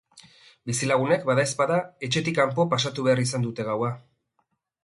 Bizilagunek, badaezpada, etxetik kanpo pasatu behar izan dute gaua.